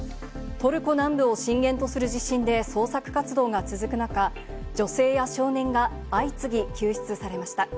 トルコ南部を震源とする地震で捜索活動が続く中、女性や少年が相次ぎ救出されました。